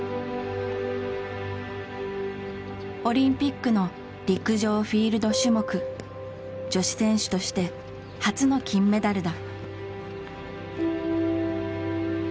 オリンピックの陸上フィールド種目女子選手として初の金メダルだ。